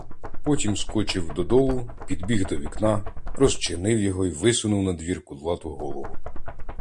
Потім скочив додолу, підбіг до вікна, розчинив його й висунув надвір кудлату голову.